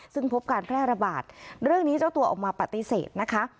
ซึ่งพบการแพร่ระบาดเรื่องนี้เจ้าตัวออกมาปฏิเสธนะคะ